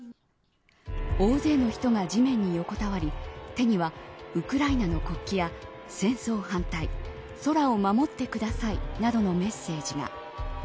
大勢の人が地面に横たわり手にはウクライナの国旗や戦争反対空を守ってくださいなどのメッセージが。